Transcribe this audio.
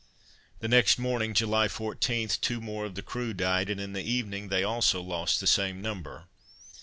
The next morning (July 14) two more of the crew died, and in the evening they also lost the same number.